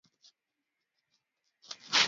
watoto wanaotambulishwa ni wale waliyozaliwa mjini